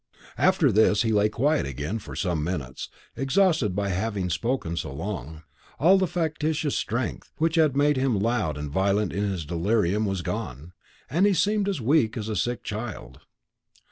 After this he lay quiet again for some minutes, exhausted by having spoken so long. All the factitious strength, which had made him loud and violent in his delirium, was gone; he seemed as weak as a sick child.